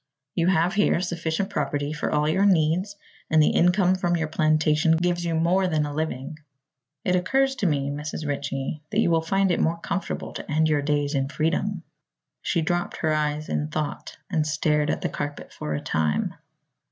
You have here sufficient property for all your needs and the income from your plantation gives you more than a living. It occurs to me, Mrs. Ritchie, that you will find it more comfortable to end your days in freedom." She dropped her eyes in thought and stared at the carpet for a time.